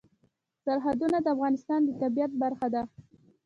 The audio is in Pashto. سرحدونه د افغانستان د طبیعت برخه ده.